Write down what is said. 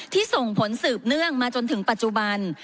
ส่งผลสืบเนื่องมาจนถึงปัจจุบัน